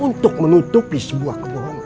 untuk menutupi sebuah kebohongan